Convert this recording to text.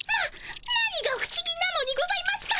何がふしぎなのにございますか？